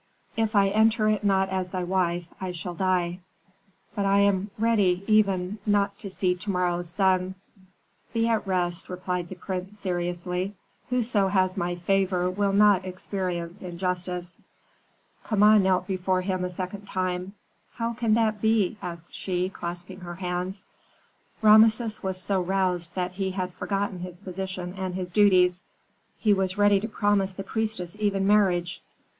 "If I enter it not as thy wife, I shall die. But I am ready even not to see to morrow's sun." "Be at rest," replied the prince, seriously. "Whoso has my favor will not experience injustice." Kama knelt before him a second time. "How can that be?" asked she, clasping her hands. Rameses was so roused that he had forgotten his position and his duties; he was ready to promise the priestess even marriage.